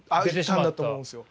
言ったんだと思うんですよ。